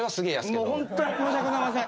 もう本当に申し訳ございません。